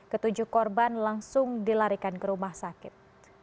ketujuh korban langsung dilarikan ke rumah sakit